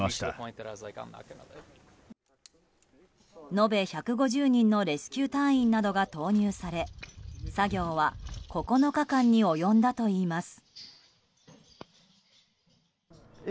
延べ１５０人のレスキュー隊員などが投入され作業は９日間に及んだといいます。